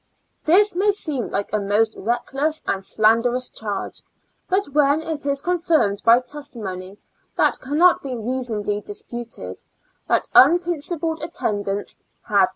This may seem like a most reckless and slanderous charge; but when it is confirmed by testimony that cannot be reasonably dis puted, that unprincipled attendants, have IX A L UNA TIC A STL UM.